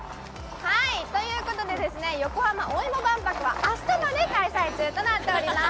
ということで横浜おいも万博は明日まで開催中となっております。